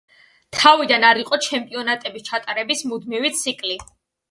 თავიდან არ იყო ჩემპიონატების ჩატარების მუდმივი ციკლი.